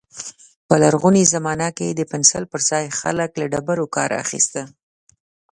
په لرغوني زمانه کې د پنسل پر ځای خلک له ډبرو کار اخيست.